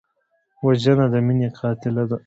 وژنه د مینې قاتله ده